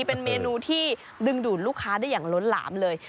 เป็นเมนูที่ดึงดูดลูกค้าได้อย่างล้นหลามเลย